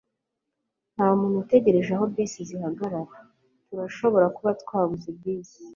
ntamuntu utegereje aho bisi zihagarara. turashobora kuba twabuze bisi